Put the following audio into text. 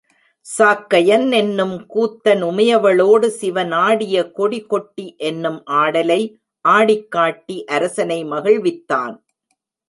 சாக்கையன் என்னும் கூத்தன் உமைய வளோடு சிவன் ஆடிய கொடிகொட்டி என்னும் ஆடலை ஆடிக் காட்டி அரசனை மகிழ்வித்தான்.